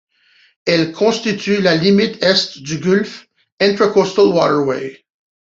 Elle constitue la limite Est du Gulf Intracoastal Waterway.